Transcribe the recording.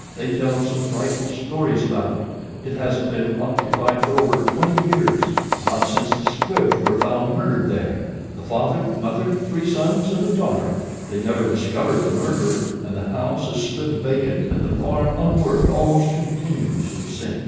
They tell some frightful stories about it. It hasn't been occupied for over twenty years not since the Squibbs were found murdered there the father, mother, three sons, and a daughter. They never discovered the murderer, and the house has stood vacant and the farm unworked almost continuously since.